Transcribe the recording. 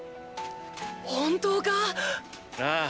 本当か⁉ああ。